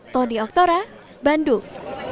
tony oktora bandung